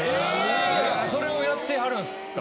それやってはるんすか？